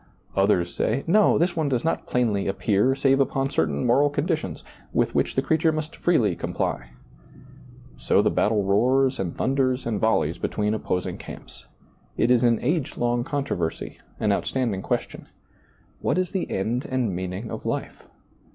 Others say, " No, this does not plainly appear, save upon certain moral conditions, with which the creature must freely comply," So the battle roars and thunders and volleys between opposing camps. It is an age long controversy, an outstanding question. What is the end and meaning of life